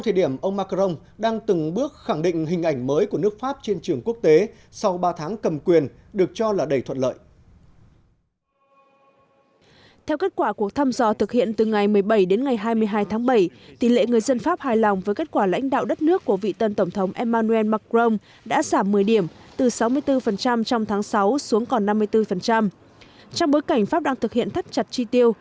trong bước cảnh pháp đang thực hiện thắt chặt tri tiêu